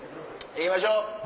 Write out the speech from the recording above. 行きましょう。